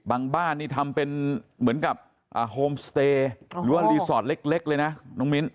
บ้านนี่ทำเป็นเหมือนกับโฮมสเตย์หรือว่ารีสอร์ทเล็กเลยนะน้องมิ้น